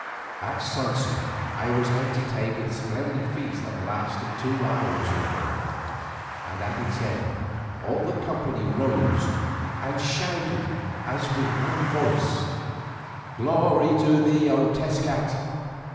At sunset I was entertained with a splendid feast that lasted two hours or more, and at its end all the company rose and shouted as with one voice: "Glory to thee, O Tezcat!